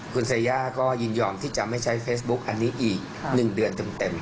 คุณเซย่าก็ยินยอมที่จะไม่ใช้เฟซบุ๊กอันนี้อีก๑เดือนเต็ม